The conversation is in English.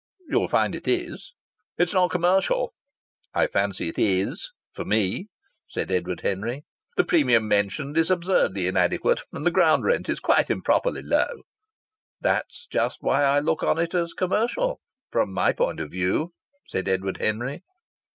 "You'll find it is." "It's not commercial." "I fancy it is for me!" said Edward Henry. "The premium mentioned is absurdly inadequate, and the ground rent is quite improperly low." "That's just why I look on it as commercial from my point of view," said Edward Henry.